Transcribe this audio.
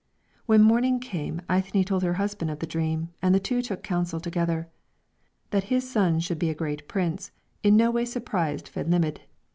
When morning came Eithne told her husband of the dream, and the two took counsel together. That his son should be a great prince in no way surprised Fedhlimidh.